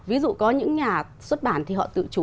ví dụ có những nhà xuất bản thì họ tự chủ